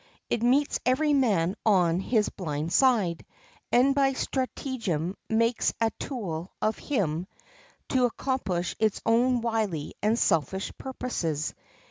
It meets every man on his blind side, and by stratagem makes a tool of him to accomplish its own wily and selfish purposes.